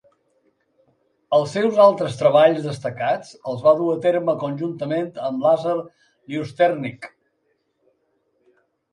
Els seus altres treballs destacats els va dur a terme conjuntament amb Lazar Lyusternik.